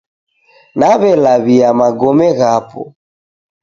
Nawelawia Magome ghapo